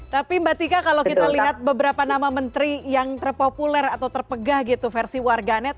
tapi mbak tika kalau kita lihat beberapa nama menteri yang terpopuler atau terpegah gitu versi warganet